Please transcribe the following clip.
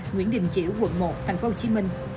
nguyễn đình chiểu quận một thành phố hồ chí minh